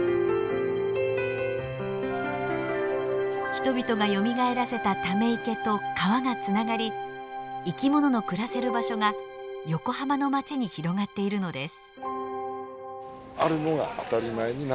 人々がよみがえらせたため池と川がつながり生き物の暮らせる場所が横浜の街に広がっているのです。